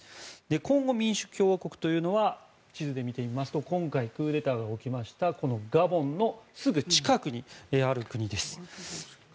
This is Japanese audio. コンゴ民主共和国というのは地図で見てみますと今回、クーデターが起きましたガボンのすぐ近くにある国です。